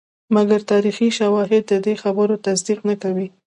مګر تاریخي شواهد ددې خبرې تصدیق نه کوي.